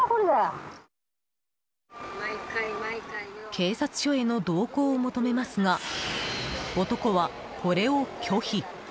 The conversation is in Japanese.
警察署への同行を求めますが男は、これを拒否。